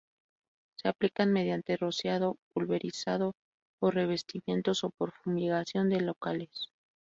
Se aplican mediante rociado, pulverizado, por revestimiento, o por fumigación de locales.